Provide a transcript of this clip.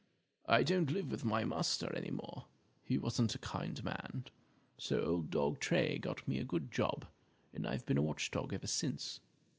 "I don't live with my master any more. He wasn't a kind man; so Old Dog Tray got me a good job, and I've been a watch dog ever since."